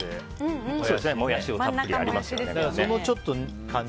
モヤシたっぷりありますよね。